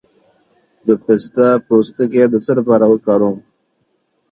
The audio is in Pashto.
د پسته پوستکی د څه لپاره وکاروم؟